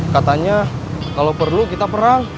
katanya kalau perlu kita perang